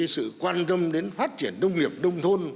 sự quan tâm đến phát triển nông nghiệp nông thôn